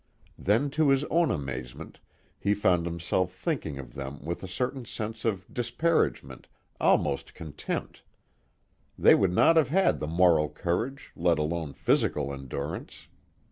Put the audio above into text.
Then to his own amazement he found himself thinking of them with a certain sense of disparagement, almost contempt. They would not have had the moral courage, let alone physical endurance.